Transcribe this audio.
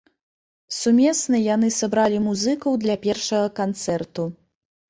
Сумесна яны сабралі музыкаў для першага канцэрту.